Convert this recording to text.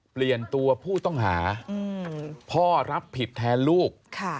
เปลี่ยนตัวผู้ต้องหาพ่อรับผิดแทนลูก